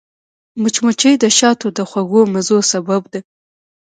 مچمچۍ د شاتو د خوږو مزو سبب ده